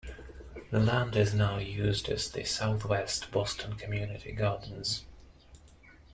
That land is now used as the Southwest Boston Community Gardens.